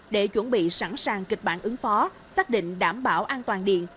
để chuẩn bị sẵn sàng kịch bản ứng phó xác định đảm bảo an toàn điện